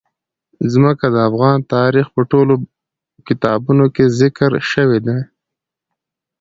ځمکه د افغان تاریخ په ټولو کتابونو کې ذکر شوی دي.